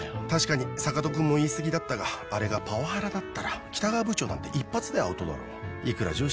確かに坂戸君も言いすぎだったがあれがパワハラだったら北川部長なんて一発でアウトだろいくら